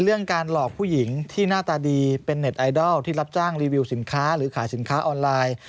เรื่องการหลอกผู้หญิงที่หน้าตาดีเป็นเน็ตไอดอลที่รับจ้างรีวิวสินค้าหรือขายสินค้าออนไลน์